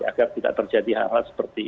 agar tidak terjadi hal hal seperti ini